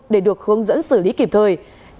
để được hướng dẫn xử lý kịp thời